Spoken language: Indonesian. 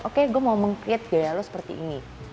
oke gue mau meng create gaya lu seperti ini